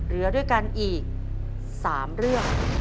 เหลือด้วยกันอีก๓เรื่อง